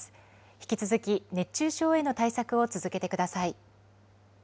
引き続き熱中症への対策を続けてください。